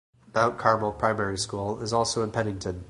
Mount Carmel Primary School is also in Pennington.